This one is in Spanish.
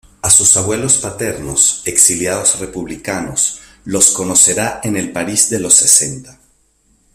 A sus abuelos paternos, exilados republicanos, los conocerá en el París de los sesenta.